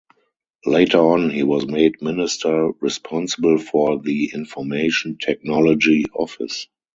Later on, he was made Minister Responsible for the Information Technology Office.